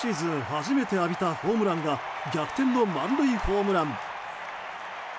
初めて浴びたホームランが逆転の満塁ホームラン。